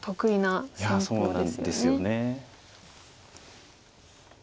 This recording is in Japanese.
いやそうなんですよね。